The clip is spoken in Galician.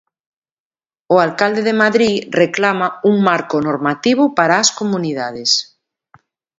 O alcalde de Madrid reclama un marco normativo para as comunidades.